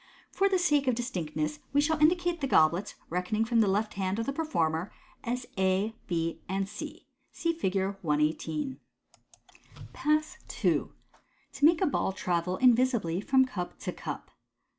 For the sake of distinctness, we shall indicate the goblets (reckoning from the left hand of «&e performer) as A, B, and C. (See Fig. 118.) Pass II. To make a Ball Travel invisibly from Cup tc Cup.